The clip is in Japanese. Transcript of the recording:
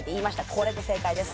これで正解です